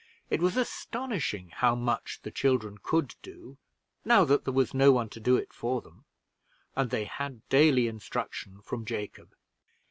It was astonishing how much the children could do, now that there was no one to do it for them; and they had daily instruction from Jacob.